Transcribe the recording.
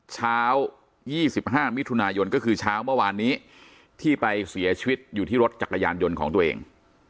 เช้า๒๕มิถุนายนก็คือเช้าเมื่อวานนี้ที่ไปเสียชีวิตอยู่ที่รถจักรยานยนต์ของตัวเอง